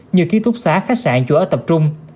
như ký túc xá khách sạn chủ ở tập trung